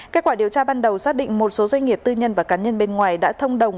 kết quả điều tra ban đầu xác định một số doanh nghiệp tư nhân và cá nhân bên ngoài đã thông đồng